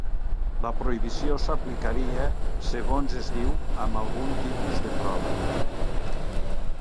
La prohibició s'aplicaria, segons es diu, amb algun tipus de prova.